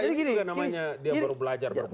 ini juga namanya dia baru belajar berpolitik